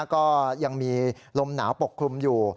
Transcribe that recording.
ก็ยังมีลมหนาวปกคลุมอยู่